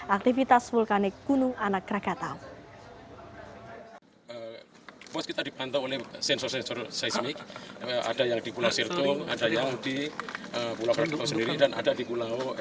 aktivitas vulkanik gunung anak rakatau